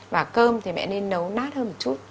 và cơm thì mẹ nên nấu nát hơn một chút